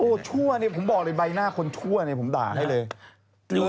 ชั่วเนี่ยผมบอกเลยใบหน้าคนชั่วเนี่ยผมด่าให้เลย